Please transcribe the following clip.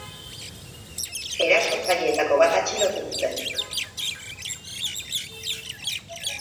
Erasotzaileetako bat atxilotu zuten.